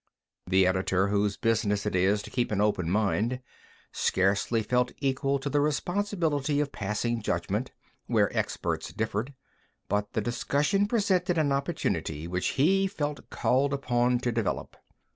The editor, whose business it is to keep an open mind, scarcely felt equal to the responsibility of passing judgment, where experts differed. But the discussion presented an opportunity which he felt called upon to develop.